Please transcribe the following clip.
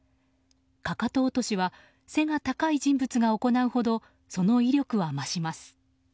かかと落としは背が高い人物が行うほどその威力は増します。